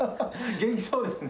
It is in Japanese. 元気そうですね。